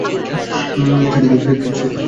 সেদিকে তাকাবি না।